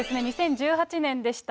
２０１８年でした。